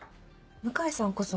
向井さんこそ。